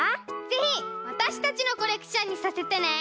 ぜひわたしたちのコレクションにさせてね！